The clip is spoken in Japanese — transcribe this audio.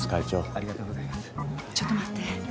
ちょっと待って。